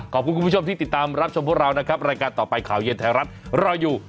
ขอบคุณคุณผู้ชมที่ติดตามรับชมพวกเรานะครับรายการต่อไปข่าวเย็นไทยรัฐรออยู่